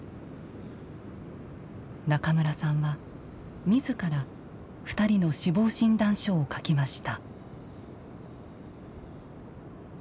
中村さんは、みずから２人の死亡診断書を書きました。